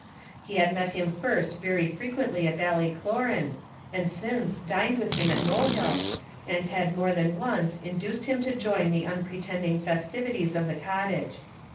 He had met him first very frequently at Ballycloran, had since dined with him at Mohill, and had more than once induced him to join the unpretending festivities of the cottage.